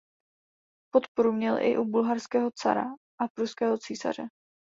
Podporu měl i u bulharského cara a pruského císaře.